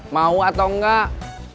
mau atau enggak